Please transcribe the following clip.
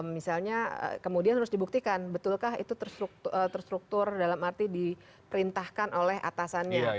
misalnya kemudian harus dibuktikan betulkah itu terstruktur dalam arti diperintahkan oleh atasannya